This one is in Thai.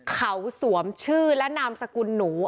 เขาสวมชื่อและนามสกุลหนู